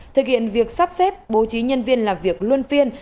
thực hiện việc sắp xếp bố trí nhân viên làm việc luân phiên